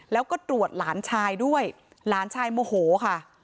แล้วก็ตรวจหลานชายด้วยหลานชายโมโหค่ะ